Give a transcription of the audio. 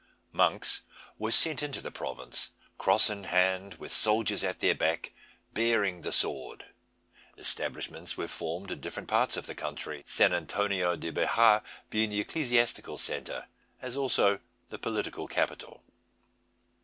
Monks were sent into the province, cross in hand, with soldiers at their back, bearing the sword. Establishments were formed in different parts of the country; San Antonio de Bejar being the ecclesiastical centre, as also the political capital.